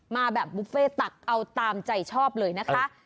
มาแบบบุฟเฟ่ตักเอาตามใจชอบเลยนะคะ